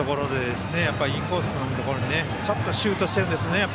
打ち気にきてるところでインコースのところにちょっとシュートしてるんですね。